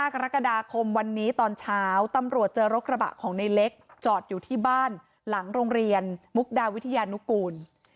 กรกฎาคมวันนี้ตอนเช้าตำรวจเจอรถกระบะของในเล็กจอดอยู่ที่บ้านหลังโรงเรียนมุกดาวิทยานุกูล